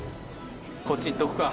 こっちいっとくか。